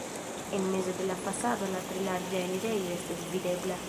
En mezo de la fasado la tre larĝa enirejo estas videbla.